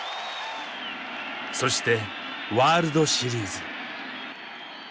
そしてワールドシリーズ。